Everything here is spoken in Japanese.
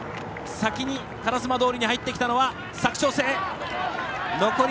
先に烏丸通に入ってきたのは佐久長聖。